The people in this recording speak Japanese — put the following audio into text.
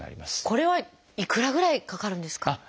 これはいくらぐらいかかるんですか？